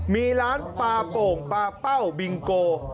มีร้านปลาโป่งปลาเป้าบิงโก